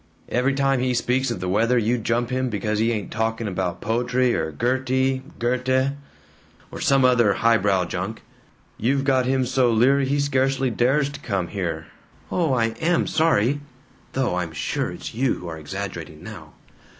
Every time he speaks of the weather you jump him because he ain't talking about poetry or Gertie Goethe? or some other highbrow junk. You've got him so leery he scarcely dares to come here." "Oh, I AM sorry. (Though I'm sure it's you who are exaggerating now.")